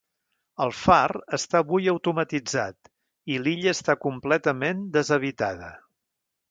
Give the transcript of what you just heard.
El far està avui automatitzat, i l'illa està completament deshabitada.